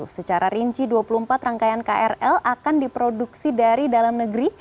secara rinci dua puluh empat rangkaian krl akan diproduksi dari dalam negeri